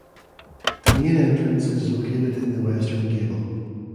The main entrance is located in the western gable.